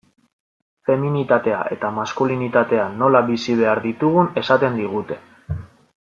Feminitatea eta maskulinitatea nola bizi behar ditugun esaten digute.